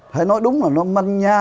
thầy nói đúng là nó manh nha